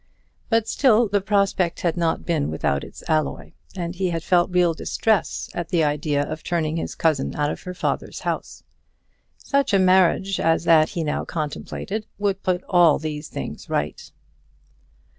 But still the prospect had not been without its alloy, and he had felt real distress at the idea of turning his cousin out of her father's house. Such a marriage as that he now contemplated would put all these things right.